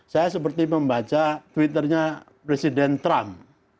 saya seperti membaca twitternya presiden trump